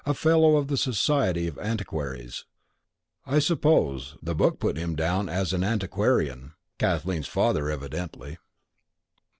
Fellow of the Society of Antiquaries, I suppose: the book put him down as an "antiquarian." Kathleen's father, evidently.